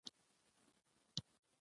دا غږ د شمالي منظرې اصلیت ثابتوي